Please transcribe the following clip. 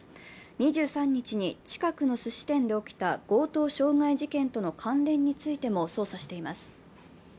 ２３日に近くのすし店で起きた強盗傷害事件との関連についても捜査しています。